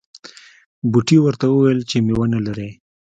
بوټي ورته وویل چې میوه نه لرې.